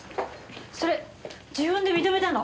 それ自分で認めたの？